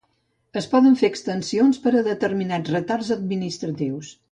Es poden fer extensions per a determinats retards administratius.